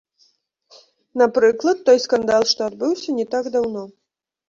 Напрыклад, той скандал, што адбыўся не так даўно.